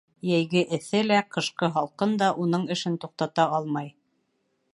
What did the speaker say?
Йәйге эҫе лә, ҡышҡы һалҡын да уның эшен туҡтата алмай.